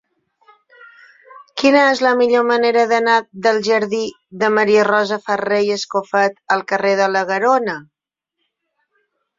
Quina és la millor manera d'anar del jardí de Maria Rosa Farré i Escofet al carrer de la Garona?